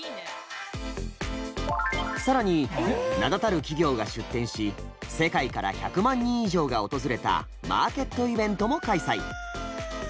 更に名だたる企業が出店し世界から１００万人以上が訪れたマーケットイベントも開催。